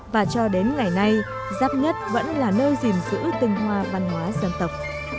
và cho đến ngày nay giáp nhất vẫn là nơi gìn giữ tinh hoa văn hóa dân tộc